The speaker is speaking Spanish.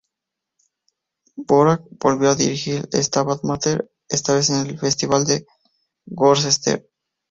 Dvořák volvió a dirigir el "Stabat Mater", esta vez en el festival de Worcester.